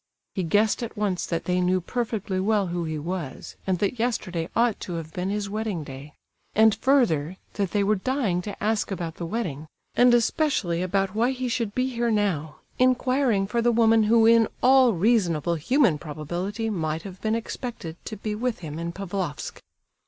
He guessed at once that they knew perfectly well who he was, and that yesterday ought to have been his wedding day; and further that they were dying to ask about the wedding, and especially about why he should be here now, inquiring for the woman who in all reasonable human probability might have been expected to be with him in Pavlofsk.